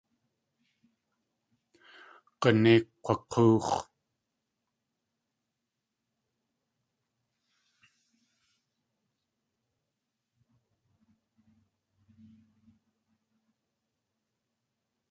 G̲unéi kg̲wak̲óox̲.